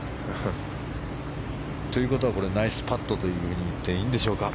ということはナイスパットと言っていいんでしょうか。